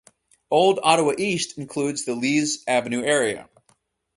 Old Ottawa East includes the Lees Avenue area.